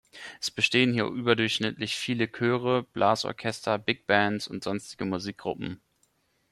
Es bestehen hier überdurchschnittlich viele Chöre, Blasorchester, Big Bands und sonstige Musikgruppen.